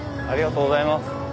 ありがとうございます。